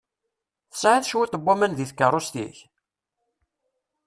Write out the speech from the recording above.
Tesɛiḍ cwiṭ n waman deg tkeṛṛust-ik?